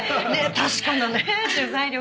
確かなね取材力。